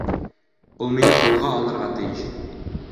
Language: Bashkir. Ул мине ҡулға алырға тейеш!